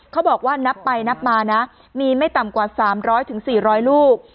เขาบอกว่านับไปนับมานะมีไม่ต่ำกว่าสามร้อยถึงสี่ร้อยลูก